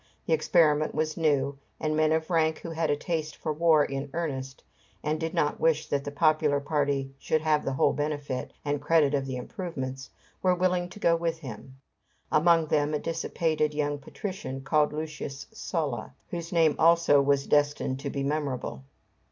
The experiment was new; and men of rank who had a taste for war in earnest, and did not wish that the popular party should have the whole benefit and credit of the improvements, were willing to go with him; among them a dissipated young patrician, called Lucius Sulla, whose name also was destined to be memorable.